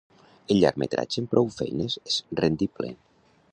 El llargmetratge amb prou feines és rendible.